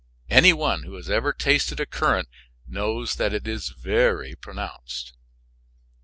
Any one who has ever tasted a current knows that it is very pronounced.